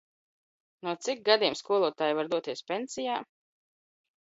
No cik gadiem skolot?ji var doties pensij??